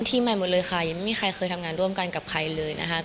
ที่ใหม่หมดเลยค่ะยังไม่มีใครเคยทำงานร่วมกันกับใครเลยนะคะ